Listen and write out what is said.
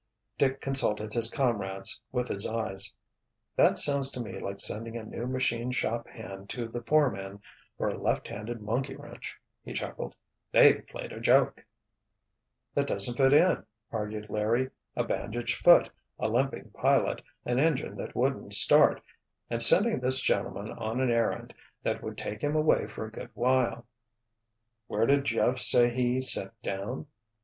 Dick consulted his comrades with his eyes. "That sounds to me like sending a new machine shop hand to the foreman for a left handed monkey wrench," he chuckled. "They've played a joke——" "That doesn't fit in," argued Larry. "A bandaged foot, a limping pilot, an engine that wouldn't start—and sending this gentleman on an errand that would take him away for a good while——" "Where did Jeff say he set down?"